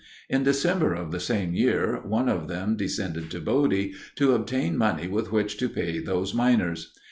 In December of the same year one of them descended to Bodie to obtain money with which to pay those miners.